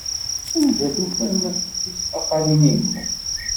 Anda ay tufam tismaqqalin-inu?